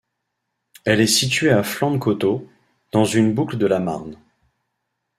Elle est située à flanc de coteau, dans une boucle de la Marne.